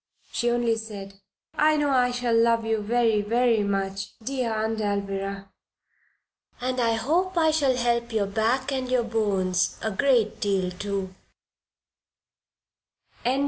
She only said: "I know I shall love you very, very much, dear Aunt Alvirah. And I hope I shall help your back and your bones a great deal, too!"